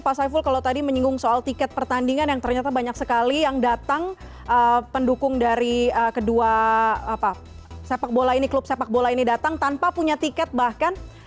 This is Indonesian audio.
pak saiful kalau tadi menyinggung soal tiket pertandingan yang ternyata banyak sekali yang datang pendukung dari kedua sepak bola ini klub sepak bola ini datang tanpa punya tiket bahkan